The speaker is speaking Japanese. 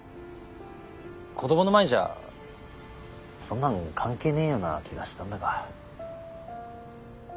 子どもの前じゃそんなん関係ねえような気がしたんだが。